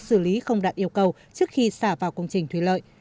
các cơ sở sản xuất kinh doanh đã đạt yêu cầu trước khi xả vào công trình thủy lợi